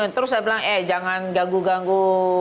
terus saya bilang eh jangan ganggu ganggu